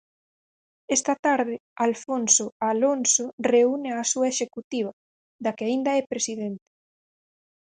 Esta tarde Alfonso Alonso reúne a súa executiva, da que aínda é presidente.